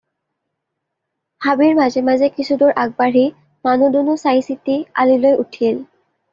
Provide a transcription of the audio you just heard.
হাবিৰ মাজে মাজে কিছুদুৰ আগ বাঢ়ি মানুহ-দুনুহ চাই-চিতি আলিলৈ উঠিল।